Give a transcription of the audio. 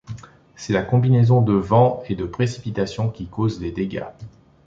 C'est la combinaison de vents et de précipitations qui cause les dégâts.